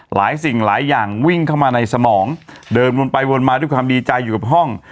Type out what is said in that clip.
สิ่งหลายอย่างวิ่งเข้ามาในสมองเดินวนไปวนมาด้วยความดีใจอยู่กับห้อง